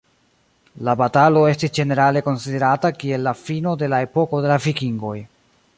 La batalo estis ĝenerale konsiderata kiel la fino de la epoko de la Vikingoj.